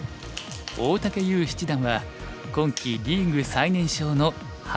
大竹優七段は今期リーグ最年少の二十歳。